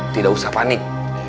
tidak usah panik